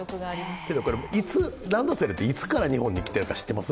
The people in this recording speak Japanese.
けど、ランドセルっていつから日本に来てるか知ってます？